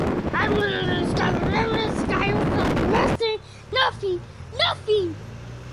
The final two teams remaining in the tournament advanced to the Grand Finals.